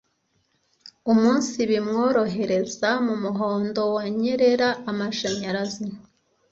Umunsi bimworohereza mumuhondo wanyerera Amashanyarazi